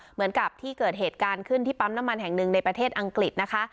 เหมือนกับที่เกิดเหตุการณ์ขึ้นที่ปั๊มน้ำมันแห่งหนึ่งในประเทศอังกฤษนะคะ